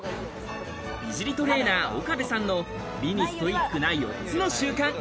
美尻トレーナー・岡部さんの日にストイックな４つの習慣。